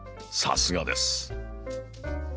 さすがです。